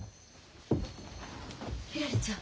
ひらりちゃん。